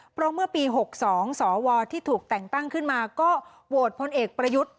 เพราะเมื่อปี๖๒สวที่ถูกแต่งตั้งขึ้นมาก็โหวตพลเอกประยุทธ์